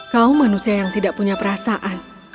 kau manusia yang tidak punya perasaan